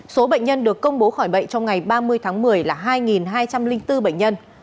số bệnh nhân được công bố khỏi bệnh trong ngày ba mươi tháng một mươi là hai hai trăm linh bốn bệnh nhân